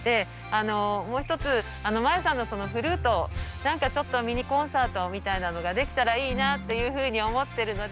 もう一つまやさんのそのフルートミニコンサートみたいなのができたらいいなっていうふうに思ってるので。